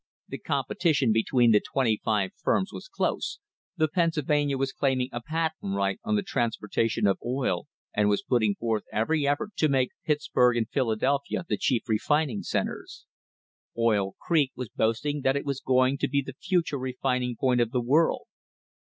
The competition between the twenty five firms was close, the Pennsylvania was "claiming a patent right" on the transportation of oil and was putting forth every effort to make Pittsburg and Philadelphia the chief refining centres. Oil Creek was boasting that it was going to be the future refining point for the world.